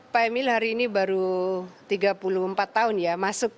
pak emil hari ini baru tiga puluh empat tahun ya